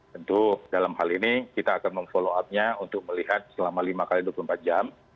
tentu dalam hal ini kita akan memfollow up nya untuk melihat selama lima x dua puluh empat jam